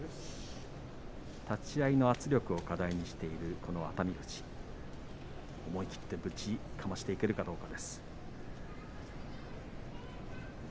立ち合いの圧力を課題にしている熱海富士思い切って、ぶちかましていけるかどうかです。